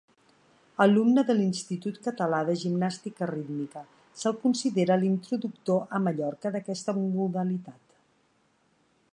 Alumne de l'Institut Català de Gimnàstica Rítmica, se'l considera l'introductor a Mallorca d'aquesta modalitat.